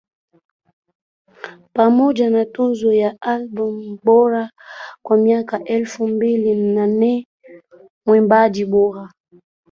pamoja na Tuzo ya Albamu Bora kwa mwaka elfu mbili na nne Mwimbaji Bora